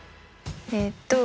えっと